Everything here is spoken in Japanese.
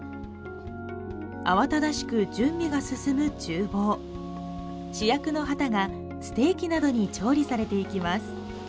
慌ただしく準備が進むちゅう房主役のハタがステーキなどに調理されていきます